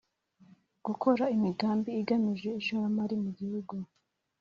gukora imigambi igamije ishoramari mu gihugu.